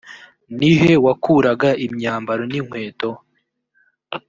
ni he wakuraga imyambaro n inkweto